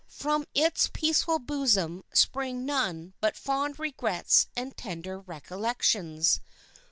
From its peaceful bosom spring none but fond regrets and tender recollections.